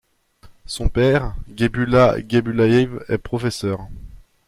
Son père, Geybulla Geybullaïev, est professeur.